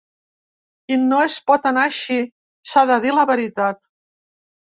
I no es pot anar així, s’ha de dir la veritat.